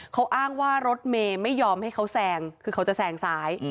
เขาอ้างว่ารถเมย์ไม่ยอมให้เขาแซงคือเขาจะแซงซ้าย